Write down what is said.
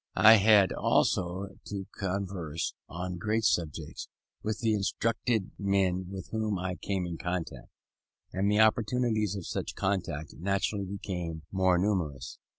I had now also begun to converse, on general subjects, with the instructed men with whom I came in contact: and the opportunities of such contact naturally became more numerous.